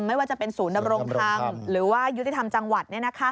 ไม่ว่าจะเป็นศูนย์ดำรงธรรมหรือว่ายุติธรรมจังหวัด